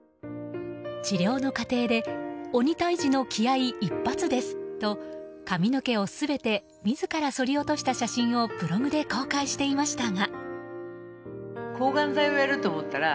治療の過程で鬼退治の気合一発ですと髪の毛を全て自らそり落とした写真をブログで公開していましたが。